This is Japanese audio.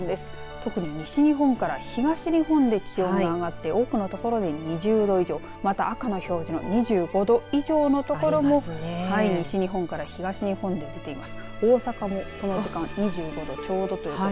特に西日本から東日本で気温が上がって多くの所で２０度以上また赤の表示の２５度以上の所も西日本から東日本で出ています。